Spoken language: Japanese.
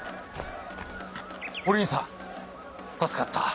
おりんさん助かった。